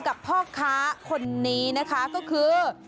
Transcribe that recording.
กับพ่อค้าคนนี้นะคะก็คือ